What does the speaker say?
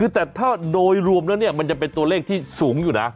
แต่ถ้าโดยรวมแล้วเนี่ยมันยังเป็นตัวเลขที่สูงอยู่นะ